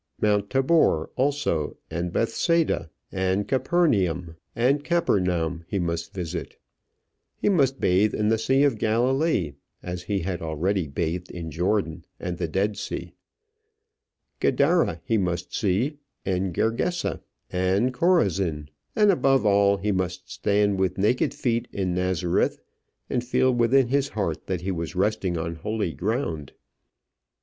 Mount Tabor also, and Bethsaida, and Capernaum, he must visit; he must bathe in the Sea of Galilee, as he had already bathed in Jordan and the Dead Sea; Gadara he must see, and Gergesa, and Chorazin; and, above all, he must stand with naked feet in Nazareth, and feel within his heart that he was resting on holy ground.